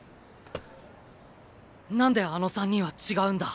なんであの三人は違うんだ？